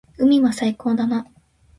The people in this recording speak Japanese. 海は最高だな。